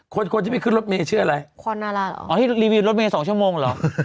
คนที่ไปขึ้นรถเมย์ชื่ออะไรคนน่ารักเหรออ๋อที่รีวิวรถเมย์สองชั่วโมงเหรอ